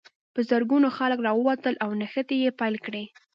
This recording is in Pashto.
په زرګونو خلک راووتل او نښتې یې پیل کړې.